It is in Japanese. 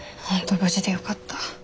無事でよかった。